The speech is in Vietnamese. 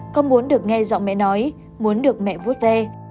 con muốn được nghe giọng mẹ nói muốn được mẹ vút ve